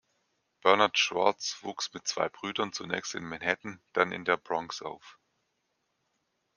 Bernard Schwartz wuchs mit zwei Brüdern zunächst in Manhattan, dann in der Bronx auf.